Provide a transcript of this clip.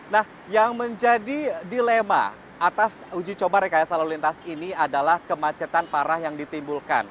nah yang menjadi dilema atas uji coba rekayasa lalu lintas ini adalah kemacetan parah yang ditimbulkan